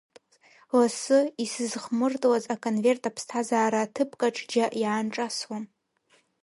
Лассы исызхмыртлаз аконверт аԥсҭазаара ҭыԥкаҿ џьа иаанҿасуам…